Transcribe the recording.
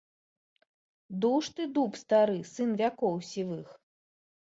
Дуж ты, дуб стары, сын вякоў сівых!